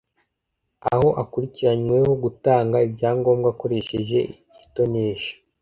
aho akurikiranyweho gutanga ibyangombwa akoresheje itonesha